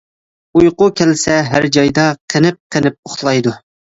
ئۇيقۇ كەلسە ھەر جايدا، قېنىپ-قېنىپ ئۇخلايدۇ.